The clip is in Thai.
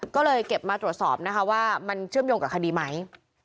ก็เลยเก็บมาตรวจสอบนะคะว่ามันเชื่อมโยงกับคดีไหม